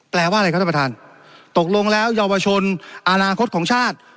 แปลว่าอะไรครับท่านประธานตกลงแล้วเยาวชนอนาคตของชาติ